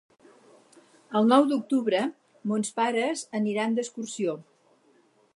El nou d'octubre mons pares aniran d'excursió.